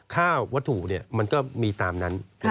ค่าวัตถุมันก็มีตามนั้น